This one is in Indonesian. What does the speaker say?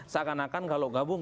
seakan akan kalau gabung